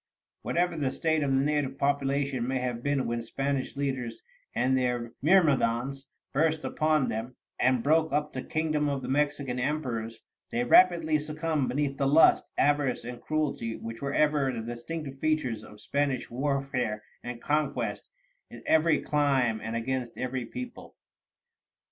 Whatever the state of the native population may have been when Spanish leaders and their myrmidons burst upon them, and broke up the kingdom of the Mexican emperors, they rapidly succumbed beneath the lust, avarice, and cruelty which were ever the distinctive features of Spanish warfare and conquest in every clime and against every people.